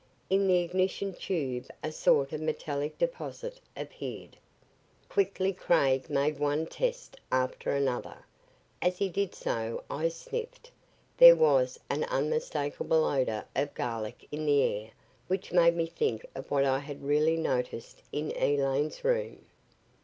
In the ignition tube a sort of metallic deposit appeared. Quickly Craig made one test after another. As he did so, I sniffed. There was an unmistakable odor of garlic in the air which made me think of what I had already noticed in Elaine's room.